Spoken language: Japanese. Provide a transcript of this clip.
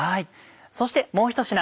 そしてもうひと品